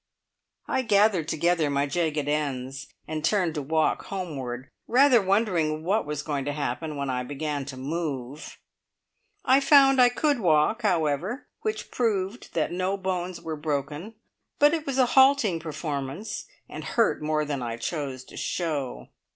I gathered together my jagged ends, and turned to walk homeward, rather wondering what was going to happen when I began to move. I found I could walk, however, which proved that no bones were broken; but it was a halting performance, and hurt more than I chose to show.